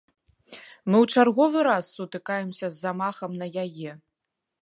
Мы ў чарговы раз сутыкаемся з замахам на яе.